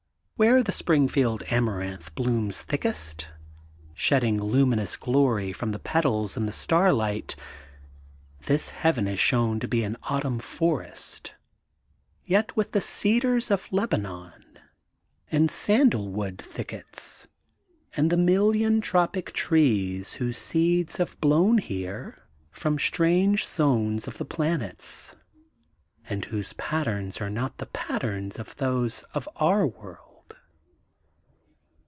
Where the Springfield Amaranth blooms thickest, shedding luminous glory from the petals in the starlight, this Heaven is shown to be an autupm forest, yet with the cedars of Lebanon, and sandalwood thickets, and the million tropic trees whose seeds have blown here from strange zones of the planets, and whose patterns are not the patterns of those of our world.